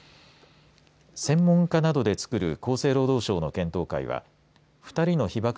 専門家などでつくる厚生労働省の検討会は２人の被ばく